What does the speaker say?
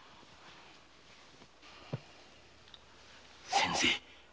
先生。